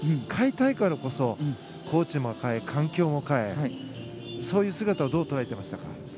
変えたいからこそコーチも代え、環境も変えそういう姿をどう捉えてましたか？